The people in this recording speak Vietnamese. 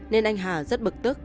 nên anh hà rất bực tức